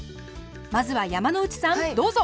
まずは山之内さんどうぞ！